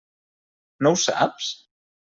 No ho saps?